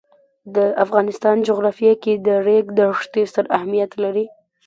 د افغانستان جغرافیه کې د ریګ دښتې ستر اهمیت لري.